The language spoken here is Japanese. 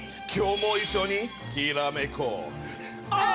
今日も一緒にひらめこう！